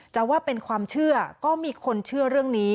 ว่าเป็นความเชื่อก็มีคนเชื่อเรื่องนี้